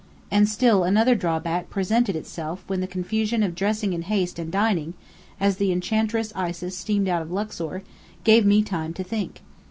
And still another drawback presented itself when the confusion of dressing in haste and dining, as the Enchantress Isis steamed out of Luxor, gave me time to think.